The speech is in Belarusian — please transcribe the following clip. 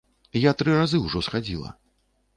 Я тры разы ўжо схадзіла.